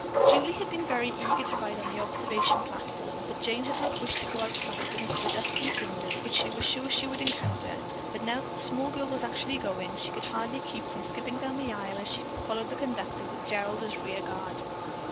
Julie had been very eager to ride on the observation platform, but Jane had not wished to go outside because of the dust and cinders which she was sure she would encounter, but now that the small girl was actually going, she could hardly keep from skipping down the aisle as she followed the conductor with Gerald as rear guard.